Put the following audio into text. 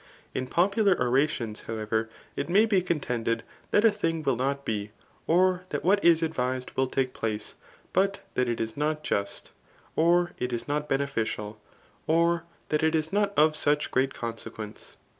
In popubr orations, however, it may be contended that a thing will not be ; or that what is advised will take place, but that it is not just ; or that it is not beneficial, or that it is not of such great conse quence.